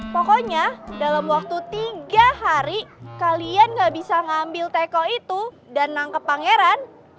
pokoknya dalam waktu tiga hari kalian gak bisa ngambil teko itu dan nangkep pangeran